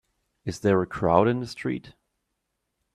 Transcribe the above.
Is there a crowd in the street?